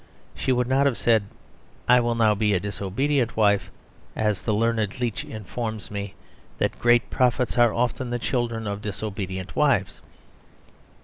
She would not have said, "I will now be a disobedient wife; as the learned leech informs me that great prophets are often the children of disobedient wives."